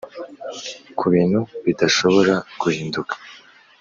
ku bintu bidashobora guhinduka.